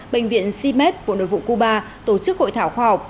bệnh viện c med của nội vụ cuba tổ chức hội thảo khoa học